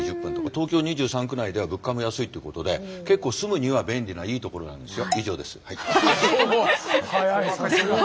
東京２３区内では物価も安いってことで結構住むには便利ないい所なんですよ。